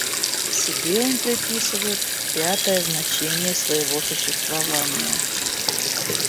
Себе он приписывает пятое значение своего существования.